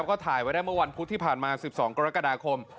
ก็ถ่ายไว้ได้เมื่อวันพุธที่ผ่านมา๑๒กรกฎาคม